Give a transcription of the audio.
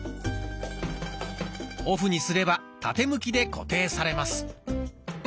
オフにすれば縦向きで固定されます。